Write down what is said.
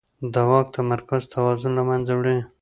د واک تمرکز توازن له منځه وړي